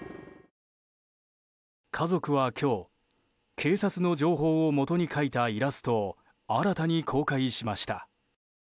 家族は今日、警察の情報をもとに描いたイラストを新たに公開しました。